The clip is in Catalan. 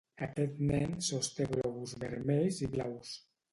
Aquest nen sosté globus vermells i blaus.